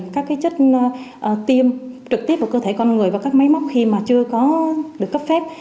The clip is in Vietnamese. các chất tiêm trực tiếp vào cơ thể con người và các máy móc khi mà chưa có được cấp phép